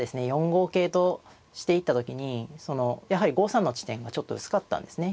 ４五桂としていった時にそのやはり５三の地点がちょっと薄かったんですね。